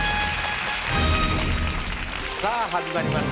さあ始まりました